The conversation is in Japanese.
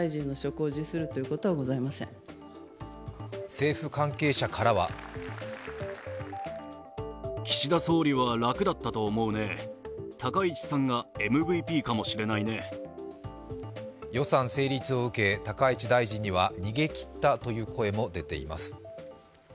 政府関係者からは予算成立を受け、高市大臣には逃げ切ったという声も出ています。